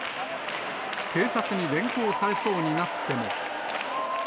警察に連行されそうになっても。